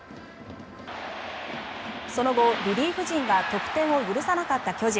その後、リリーフ陣が得点を許さなかった巨人。